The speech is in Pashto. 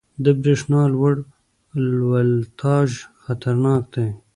• د برېښنا لوړ ولټاژ خطرناک دی.